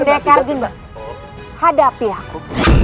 pendekar gendut hadapi aku